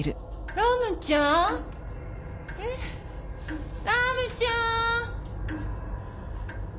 ラムちゃん。